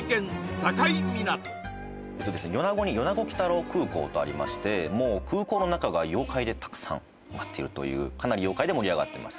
米子にとありましてもう空港の中が妖怪でたくさん埋まっているというかなり妖怪で盛り上がってます